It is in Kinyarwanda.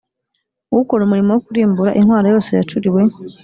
ukora umurimo wo kurimbura Intwaro yose yacuriwe